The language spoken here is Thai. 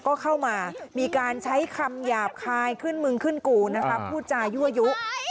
ก็เข้ามามีการใช้คำหยาบคายขึ้นมึงขึ้นกูนะคะพูดจายั่วยุ